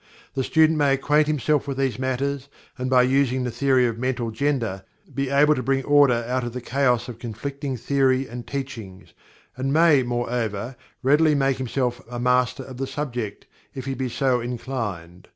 The student may acquaint himself with these matters, and by using the theory of Mental Gender he will be able to bring order out of the chaos of conflicting theory and teachings, and may, moreover, readily make himself a master of the subject if he be so inclined.